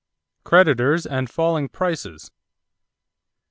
=Creditors and Falling Prices.